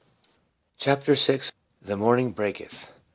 CHAPTER VI. THE MORNING BREAKETH.